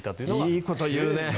いいこと言うね。